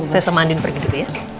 saya sama andin pergi gitu ya